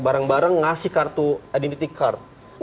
barang barang ngasih kartu identity card